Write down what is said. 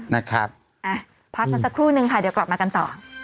นะครับพักกันสักครู่นึงค่ะเดี๋ยวกลับมากันต่อ